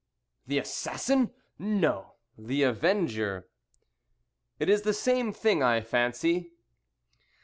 "The assassin! No, the avenger." "It is the same thing, I fancy."